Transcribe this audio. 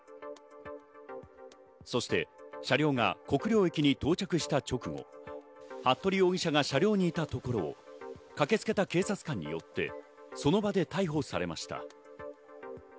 そして車両が国領駅に到着した直後、服部容疑者が車両にいたところを駆けつけた警察官によって、その場で逮捕されました。